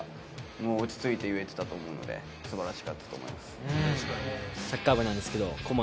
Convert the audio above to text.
もう落ち着いて言えてたと思うので素晴らしかったと思います。